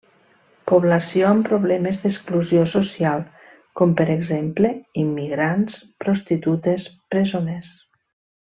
Població amb problemes d'exclusió social com per exemple: immigrants, prostitutes, presoners.